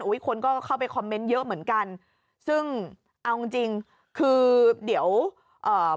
คนก็เข้าไปคอมเมนต์เยอะเหมือนกันซึ่งเอาจริงจริงคือเดี๋ยวเอ่อ